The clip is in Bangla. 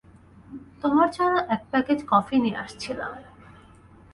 তোমার জন্যে এক প্যাকেট কফি নিয়ে আসছিলাম।